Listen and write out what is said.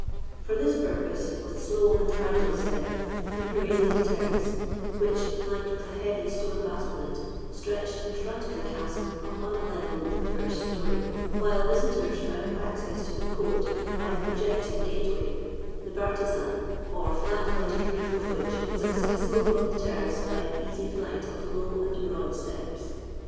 For this purpose, with slow and idle step, he paraded the terrace, which, flanked with a heavy stone battlement, stretched in front of the castle upon a level with the first story; while visitors found access to the court by a projecting gateway, the bartizan or flat leaded roof of which was accessible from the terrace by an easy flight of low and broad steps.